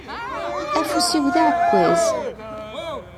Afus-iw d aεekkaz.